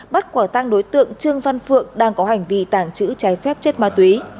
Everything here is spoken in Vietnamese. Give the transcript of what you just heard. bắt quả tăng đối tượng trương văn phượng đang có hành vi tàng trữ trái phép chất ma túy